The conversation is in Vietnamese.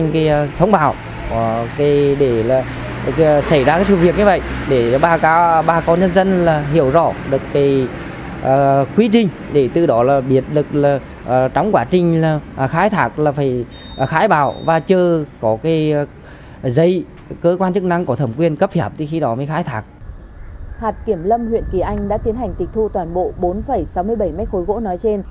hạt kiểm lâm huyện kỳ anh đã tiến hành tịch thu toàn bộ bốn sáu mươi bảy m ba gỗ nói trên